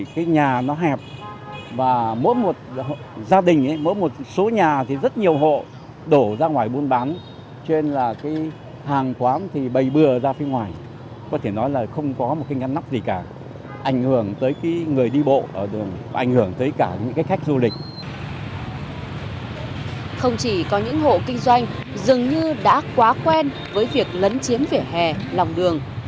không chỉ có những hộ kinh doanh dường như đã quá quen với việc lấn chiếm vỉa hè lòng đường